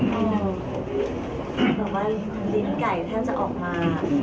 แบบว่าลิ้นไก่แทบจะออกมา